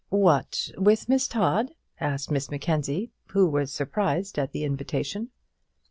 "What, with Miss Todd?" asked Miss Mackenzie, who was surprised at the invitation.